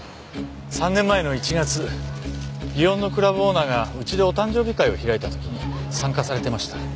３年前の１月園のクラブオーナーがうちでお誕生日会を開いた時に参加されてました。